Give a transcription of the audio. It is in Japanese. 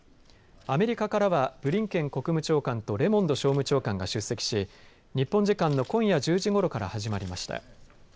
アメリカからはブリンケン国務長官とレモンド商務長官が出席し日本時間の今夜１０時ごろから始まりました。